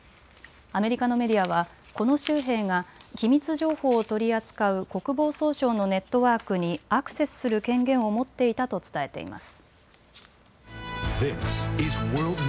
アメリカのメディアはこの州兵が機密情報を取り扱う国防総省のネットワークにアクセスする権限を持っていたと伝えています。